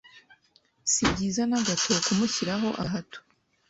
Si byiza na gato kumushyiraho agahato,